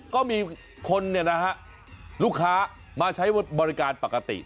ก็มีคนเนี่ยนะฮะลูกค้ามาใช้บริการปกติ